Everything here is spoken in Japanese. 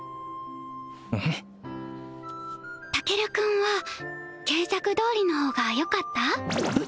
タケル君は原作どおりの方がよかった？